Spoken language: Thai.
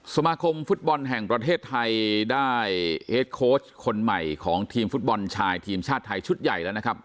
สมาคมฟุตบอลแห่งประเทศไทยได้เอสโค้ชคนใหม่ของทีมฟุตบอลชายทีมชาติไทยชุดใหญ่แล้วนะครับ